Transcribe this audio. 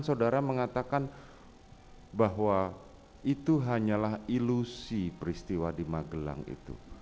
saudara mengatakan bahwa itu hanyalah ilusi peristiwa di magelang itu